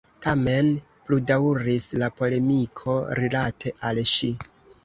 Tamen pludaŭris la polemiko rilate al ŝi.